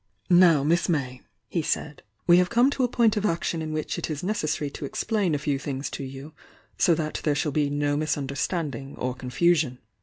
"Now, Miss May," he said, "we have come to a point of action in which it is necessary to explain a few things to you, so that there shall be no mis understanding or confusion.